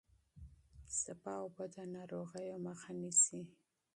پاکې اوبه د ناروغیو مخه نيسي.